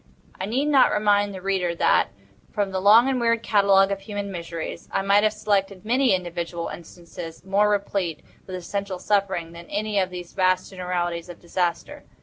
I need not remind the reader that, from the long and weird catalogue of human miseries, I might have selected many individual instances more replete with essential suffering than any of these vast generalities of disaster.